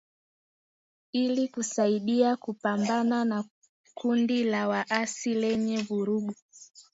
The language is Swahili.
Ili kusaidia kupambana na kundi la waasi lenye vurugu.